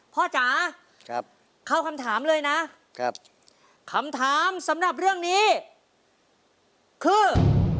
จ๋าเข้าคำถามเลยนะคำถามสำหรับเรื่องนี้คือ